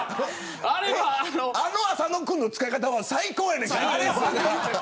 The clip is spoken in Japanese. あの浅野君の使い方は最高やから。